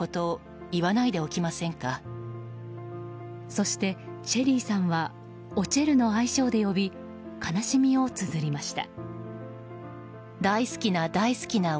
そして、ＳＨＥＬＬＹさんはおちぇるの愛称で呼び悲しみをつづりました。